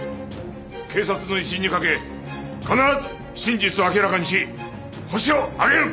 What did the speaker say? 警察の威信にかけ必ず真実を明らかにしホシを挙げる！